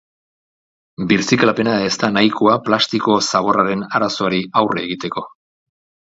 Birziklapena ez da nahikoa plastiko-zaborraren arazoari aurre egiteko.